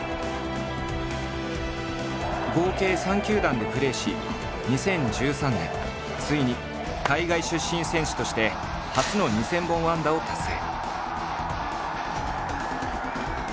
合計３球団でプレーし２０１３年ついに海外出身選手として初の２，０００本安打を達成。